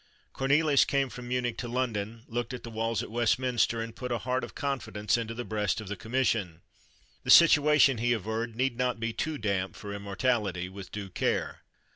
Cornelius came from Munich to London, looked at the walls at Westminster, and put a heart of confidence into the breast of the Commission. The situation, he averred, need not be too damp for immortality, with due care.